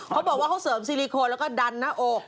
เขาบอกว่าเขาเสริมซิลิโคนแล้วก็ดันหน้าอก